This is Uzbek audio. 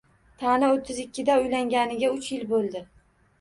Tani o`ttiz ikkida, uylanganiga uch yil bo`ldi